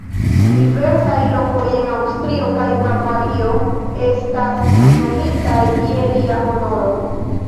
Diversaj lokoj en Aŭstrio kaj Bavario estas nomitaj je lia honoro.